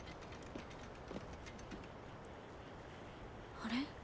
あれ？